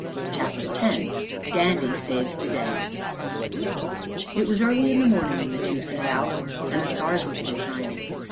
CHAPTER X DANDY SAVES THE DAY It was early in the morning when the two set out and the stars were still shining.